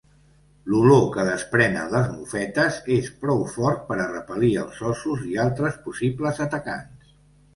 L'olor que desprenen les mofetes és prou fort per a repel·lir els óssos i altres possibles atacants.